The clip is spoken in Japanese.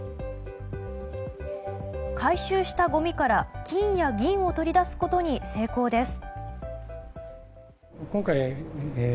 回収したごみから金や銀を取り出すことに成功です。